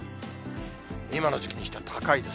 今の時期にしては高いです。